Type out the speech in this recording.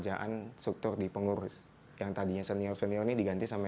akhirnya kita bisa mulai lari dan kita bisa mencoba untuk mencoba untuk mencoba